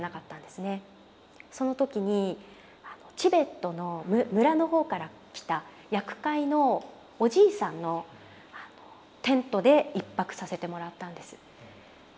その時にチベットの村の方から来たヤク飼いのおじいさんのテントで１泊させてもらったんです。